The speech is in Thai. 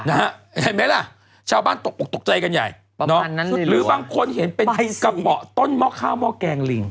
เห็นไหมล่ะชาวบ้านตกออกตกใจกันใหญ่หรือบางคนเห็นเป็นกระเป๋าต้นหม้อข้าวหม้อแกงลิง